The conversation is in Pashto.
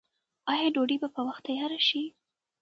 آیا ډوډۍ به په وخت تیاره شي؟